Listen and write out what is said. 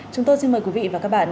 chúng tôi xin mời quý vị và các bạn